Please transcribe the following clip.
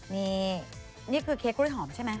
นี่คือเค้กกุ้ยหอมใช่มั้ย